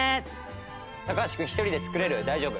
高橋君一人で作れる？大丈夫？